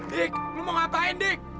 dik lu mau ngapain dik